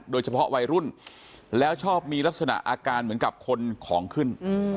โดยเฉพาะวัยรุ่นแล้วชอบมีลักษณะอาการเหมือนกับคนของขึ้น